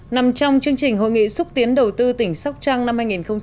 nằm trong chương trình hội nghị xúc tiến đầu tư tỉnh sóc trăng năm hai nghìn một mươi tám